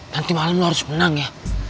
nanti malam lo harus menang ya